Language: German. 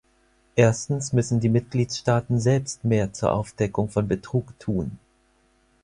Erstens müssen die Mitgliedstaaten selbst mehr zur Aufdeckung von Betrug tun.